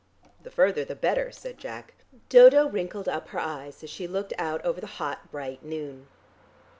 '" "The further the better," said Jack. Dodo wrinkled up her eyes as she looked out over the hot, bright noon.